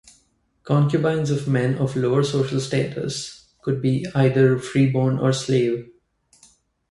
Concubines of men of lower social status could be either freeborn or slave.